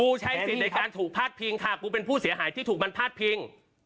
ใช้สิทธิ์ในการถูกพาดพิงค่ะกูเป็นผู้เสียหายที่ถูกมันพาดพิง